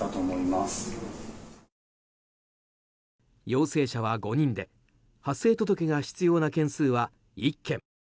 陽性者は５人で発生届が必要な件数は１件。